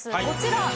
こちら。